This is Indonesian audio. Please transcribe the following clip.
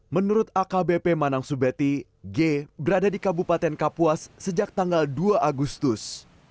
menurut akbp manang subeti g berada di kabupaten kapuas sejak tanggal dua agustus